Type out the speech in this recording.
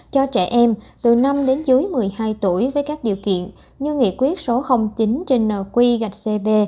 cho trẻ em từ năm đến dưới một mươi hai tuổi với các điều kiện như nghị quyết số chín trên nq gạch cb